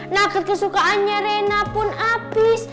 nugget kesukaannya rena pun habis